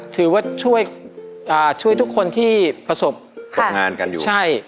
ถือว่าช่วยทุกคนที่ประสบงานกันอยู่ใช่